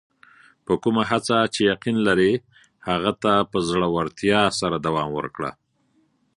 په کومه هڅه چې یقین لرې، هغه ته په زړۀ ورتیا سره دوام ورکړه.